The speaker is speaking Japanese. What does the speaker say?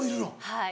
はい。